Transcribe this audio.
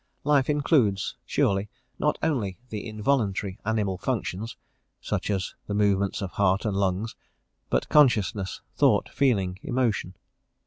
Life includes, surely, not only the involuntary animal functions, such as the movements of heart and lungs; but consciousness, thought, feeling, emotion.